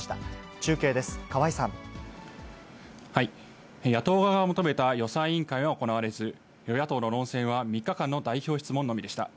中継です、野党側が求めた予算委員会は行われず、与野党の論戦は３日間の代表質問のみでした。